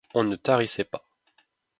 On ne tarissait pas.